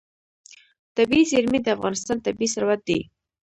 طبیعي زیرمې د افغانستان طبعي ثروت دی.